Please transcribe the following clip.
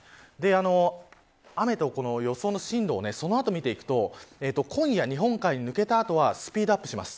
雨と予想の進路をその後、見ていくと今夜日本海に抜けた後はスピードアップします。